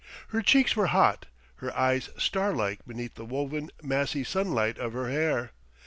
Her cheeks were hot, her eyes starlike beneath the woven, massy sunlight of her hair.